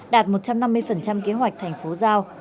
đạt một trăm năm mươi kế hoạch thành phố giao